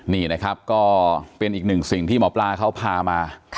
นี่นะครับก็เป็นอีกหนึ่งสิ่งที่หมอปลาเขาพามา